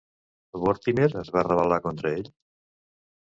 Vortimer es va rebel·lar contra ell?